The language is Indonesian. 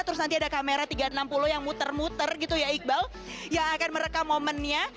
terus nanti ada kamera tiga ratus enam puluh yang muter muter gitu ya iqbal yang akan merekam momennya